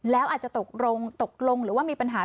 แล้วอาจจะตกลงตกลงหรือว่ามีปัญหา